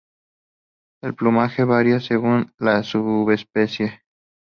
El plumaje varía según la subespecie.